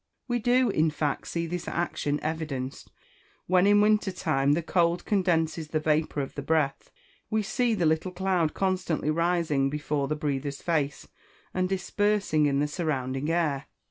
We do, in fact, see this action evidenced; when in winter time the cold condenses the vapour of the breath, we see the little cloud constantly rising before the breather's face, and dispersing in the surrounding air.